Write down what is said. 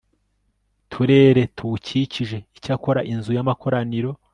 turere tuwukikije Icyakora Inzu y Amakoraniro